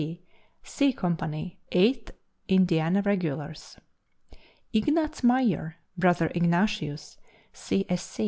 C.), C Company, Eighth Indiana Regulars. Ignatz Mayer (Brother Ignatius, C. S.